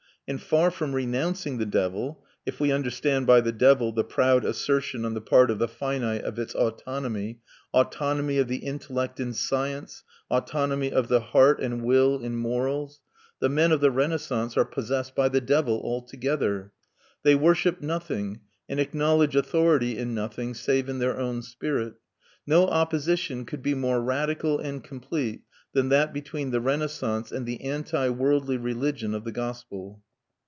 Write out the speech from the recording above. And far from renouncing the devil if we understand by the devil the proud assertion on the part of the finite of its autonomy, autonomy of the intellect in science, autonomy of the heart and will in morals the men of the Renaissance are possessed by the devil altogether. They worship nothing and acknowledge authority in nothing save in their own spirit. No opposition could be more radical and complete than that between the Renaissance and the anti worldly religion of the gospel.